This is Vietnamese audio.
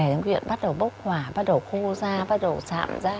biểu hiện bắt đầu bốc hỏa bắt đầu khô da bắt đầu sạm da